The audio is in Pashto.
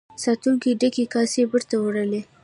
ساتونکو ډکې کاسې بیرته وړلې.